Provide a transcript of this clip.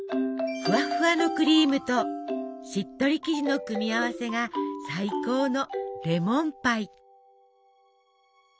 ふわふわのクリームとしっとり生地の組み合わせが最高のレモンパイ。